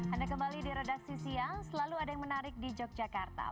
anda kembali di redaksi siang selalu ada yang menarik di yogyakarta